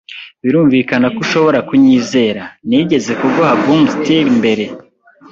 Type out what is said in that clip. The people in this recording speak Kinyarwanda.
Birumvikana ko ushobora kunyizera. Nigeze kuguha bum steer mbere?